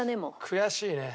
悔しいね。